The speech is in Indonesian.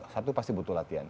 satu pasti butuh latihan